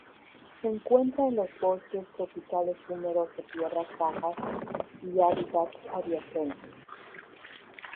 Se encuentra en los bosques tropicales húmedos de tierras bajas y hábitats adyacentes.